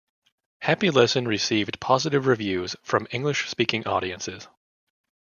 Happy Lesson received positive reviews from English speaking audiences.